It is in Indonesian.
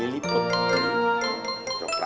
jadi ini gini juga